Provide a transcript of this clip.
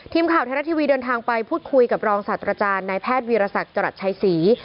ทีมข่าวไทยรัฐทีวีเดินทางไปพูดคุยกับรองศาสตราจารย์นายแพทย์วีรศักดิ์จรัสชัยศรี